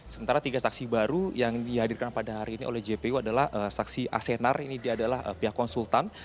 sementara tiga saksi baru yang dihadirkan pada hari ini oleh jpu adalah saksi asenar ini adalah pihak konsultan